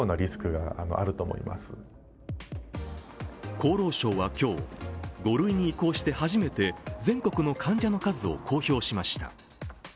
厚労省は今日、５類に移行して初めて全国の患者の数を公表しました。